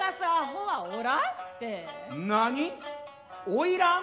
おいらん？